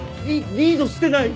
リードしてない！